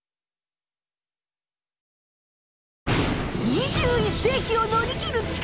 ２１世きを乗り切る力。